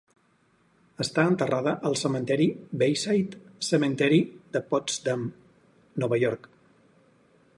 Està enterrada al cementeri Bayside Cemetery de Potsdam, Nova York.